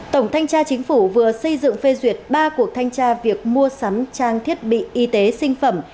tổng thanh tra chính phủ vừa xây dựng phê duyệt ba cuộc thanh tra việc mua sắm trang thiết bị y tế sinh phẩm